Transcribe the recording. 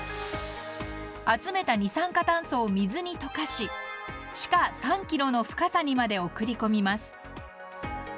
集めた二酸化炭素を水に溶かし地下３ｋｍの深さにまで送り込みます